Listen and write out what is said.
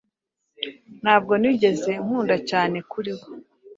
Ntabwo nigeze nkunda cyane kuri we